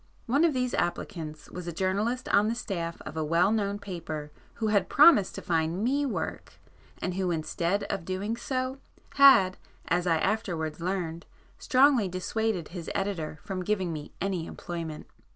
One of these applicants was a journalist on the staff of a well known paper who had promised to find me work, and who instead of doing so, [p 74] had, as I afterwards learned, strongly dissuaded his editor from giving me any employment.